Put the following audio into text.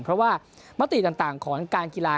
เพราะว่ามติต่างของการกีฬา